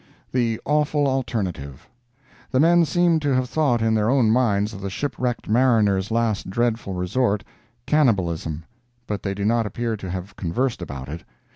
THE AWFUL ALTERNATIVE The men seem to have thought in their own minds of the shipwrecked mariner's last dreadful resort—cannibalism; but they do not appear to have conversed about it.